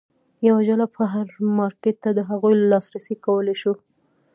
یوه جلا بهر مارکېټ ته د هغوی لاسرسی کولای شول.